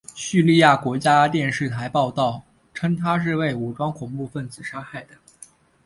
叙利亚国家电视台报道称他是被武装恐怖分子杀害的。